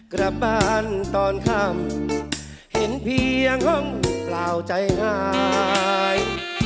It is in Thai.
กลับบ้านตอนค่ำเห็นเพียงห้องเปล่าใจหาย